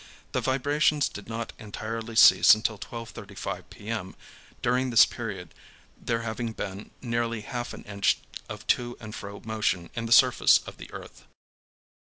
The vibrations did not entirely cease until 12.35 P. M., during this period there having been nearly half an inch of to and fro motion in the surface of the earth.